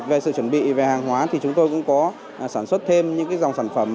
về sự chuẩn bị về hàng hóa thì chúng tôi cũng có sản xuất thêm những dòng sản phẩm